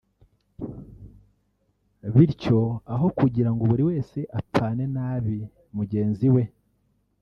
Bityo aho kugira ngo buri wese apfane nabi mugenzi we